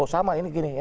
oh sama ini gini